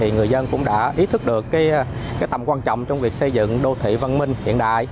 người dân cũng đã ý thức được tầm quan trọng trong việc xây dựng đô thị văn minh hiện đại